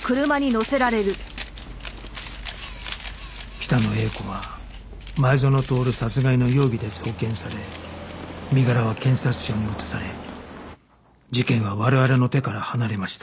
北野英子は前園徹殺害の容疑で送検され身柄は検察庁に移され事件は我々の手から離れました